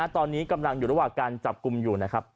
ตอนนี้กำลังอยู่ระหว่างการจับกลุ่มอยู่นะครับ